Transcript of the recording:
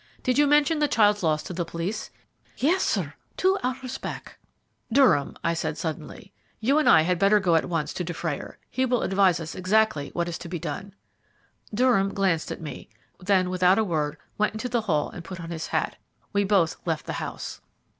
Did you mention the child's loss to the police?" "Yes, sir, two hours back." "Durham," I said suddenly, "you and I had better go at once to Dufrayer. He will advise us exactly what is to be done." Durham glanced at me, then without a word went into the hall and put on his hat. We both left the house.